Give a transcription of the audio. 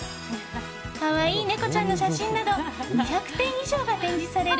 可愛い猫ちゃんの写真など２００点以上が展示される